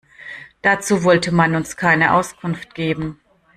Dazu wollte man uns keine Auskunft geben.